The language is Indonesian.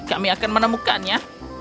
kami akan menemukannya